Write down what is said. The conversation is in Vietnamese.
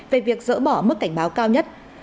về việc dỡ bỏ mức cảnh báo cao nhất